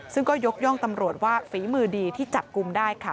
ซึ่งก็ยกย่องตำรวจว่าฝีมือดีที่จับกลุ่มได้ค่ะ